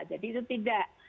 jadi itu tidak